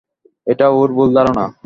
এটা ওর ভুল ধারণা।